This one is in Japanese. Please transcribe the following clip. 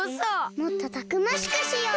もっとたくましくしよう。